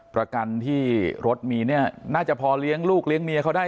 ประกันที่รถมีเนี่ยน่าจะพอเลี้ยงลูกเลี้ยงเมียเขาได้